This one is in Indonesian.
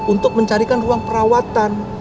untuk mencarikan ruang perawatan